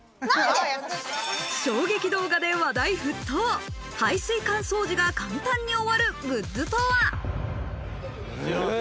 衝撃動画で話題沸騰、排水管掃除が簡単に終わるグッズとは？